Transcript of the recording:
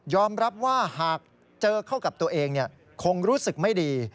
รับว่าหากเจอเข้ากับตัวเองคงรู้สึกไม่ดี